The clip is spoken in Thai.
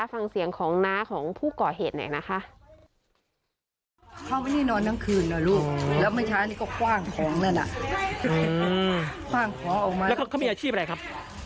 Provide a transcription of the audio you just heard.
ฟังเสียงของน้าของผู้ก่อเหตุหน่อยนะคะ